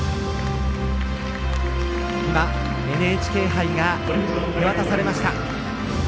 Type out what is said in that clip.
ＮＨＫ杯が手渡されました。